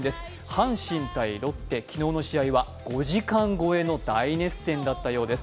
阪神対ロッテ、昨日の試合は５時間超えの大熱戦だったようです